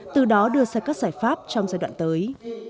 từ đó đưa ra các giải pháp trong giai đoạn tới